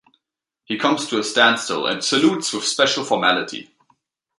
He comes to a standstill and salutes with special formality.